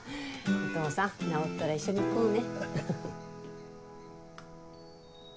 お父さん治ったら一緒に行こうね。